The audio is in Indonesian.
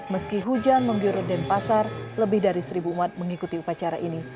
meski hujan menggurut denpasar lebih dari seribu umat mengikuti upacara ini